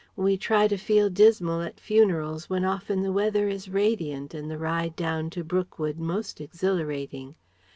We try to feel dismal at funerals, when often the weather is radiant and the ride down to Brookwood most exhilarating.